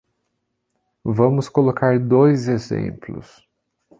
Vamos colocar dois exemplos.